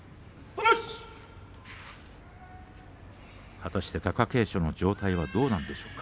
果たして貴景勝の状態はどうなんでしょうか。